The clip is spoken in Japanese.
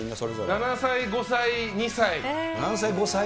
７歳、５歳、２歳。